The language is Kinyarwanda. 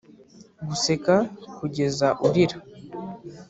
guseka kugeza urira.